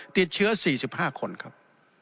ติดเชื้อ๔๕คนครับ